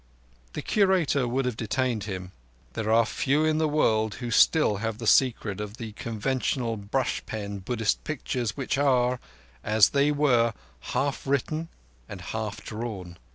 The Curator would have detained him: they are few in the world who still have the secret of the conventional brush pen Buddhist pictures which are, as it were, half written and half drawn.